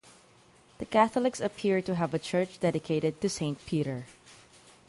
The Catholics appear to have a church dedicated to Saint Peter.